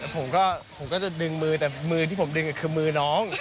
ผมก็จะดึงมือแต่มือที่ผมดึงคือมือน้อง